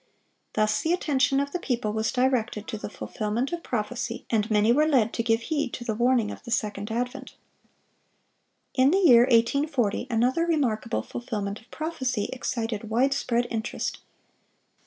Thus the attention of the people was directed to the fulfilment of prophecy, and many were led to give heed to the warning of the second advent. In the year 1840, another remarkable fulfilment of prophecy excited wide spread interest.